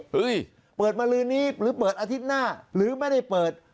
เปิดมาลืนนี้หรือเปิดอาทิตย์หน้าหรือไม่ได้เปิด